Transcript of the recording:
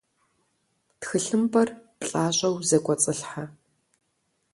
ТхылъымпӀэр плӀащӀэу зэкӀуэцӀылъхьэ.